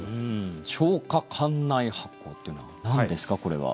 消化管内発酵というのはなんですか、これは。